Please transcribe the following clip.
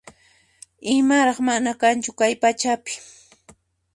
Imaraq mana kanchu kay pachapi